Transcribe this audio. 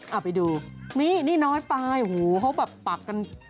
เอาไปดูนี่นี่น้อยปลายหูเขาแบบปักกัน